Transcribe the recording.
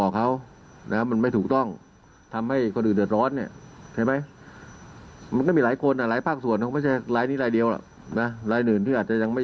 แต่ยังไม่พบก็ได้ใช่มั้ย